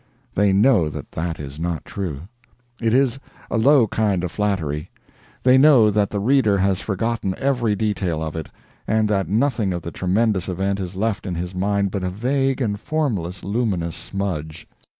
They know that that is not true. It is a low kind of flattery. They know that the reader has forgotten every detail of it, and that nothing of the tremendous event is left in his mind but a vague and formless luminous smudge.